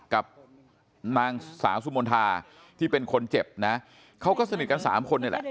กับนางสาวสุมนทาที่เป็นคนเจ็บนะเขาก็สนิทกันสามคนนี่แหละ